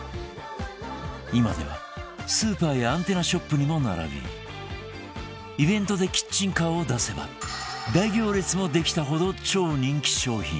今ではスーパーやアンテナショップにも並びイベントでキッチンカーを出せば大行列もできたほど超人気商品